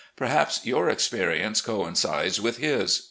' Perhaps your experience coincides with his.